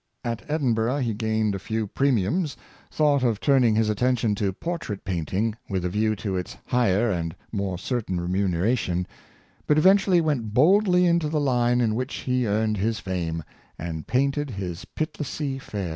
At Edinburgh he gained a few premiums, thought of turn David Wilkie's Industry, 349 ing his attention to portrait painting, with a view to its higher and more certain remuneration, but eventually went boldly into the line in which he earned his fame — and painted his Pitlessie Fair.